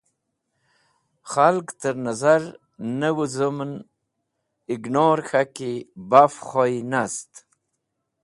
Khalgẽ tẽr nẽzar ne wẽzumn(ignor) k̃haki baf khuy nast.